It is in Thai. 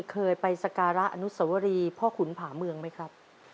เคยไปสการะอนุสวรีพ่อขุนผาเมืองไหมครับ